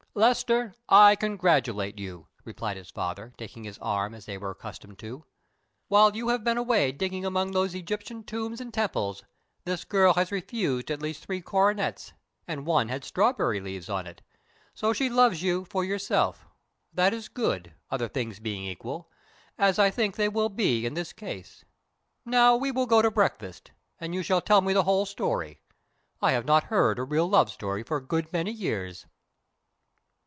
"Lester, I congratulate you," replied his father, taking his arm, as they were accustomed to. "While you have been away digging among those Egyptian tombs and temples, this girl has refused at least three coronets, and one had strawberry leaves on it; so she loves you for yourself. That is good, other things being equal, as I think they will be in this case. Now, we will go to breakfast, and you shall tell me the whole story. I have not heard a real love story for a good many years."